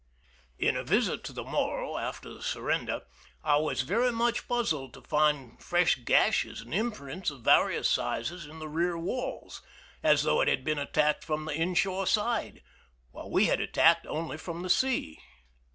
In a visit to the Morro after the surrender, I was very much puzzled to find fresh gashes and imprints of various sizes in the rear walls, as though it had been attacked from the inshore side, while we had attacked only from the sea.